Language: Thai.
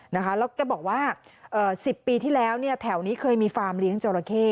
แล้วแกบอกว่า๑๐ปีที่แล้วแถวนี้เคยมีฟาร์มเลี้ยงจราเข้